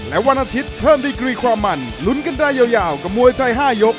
และวันอาทิตย์เพิ่มดีกรีความมันลุ้นกันได้ยาวกับมวยไทย๕ยก